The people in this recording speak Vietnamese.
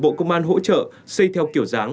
bộ công an hỗ trợ xây theo kiểu dáng